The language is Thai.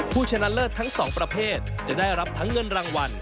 ชนะเลิศทั้งสองประเภทจะได้รับทั้งเงินรางวัล